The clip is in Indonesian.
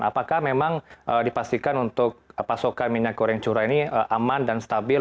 apakah memang dipastikan untuk pasokan minyak goreng curah ini aman dan stabil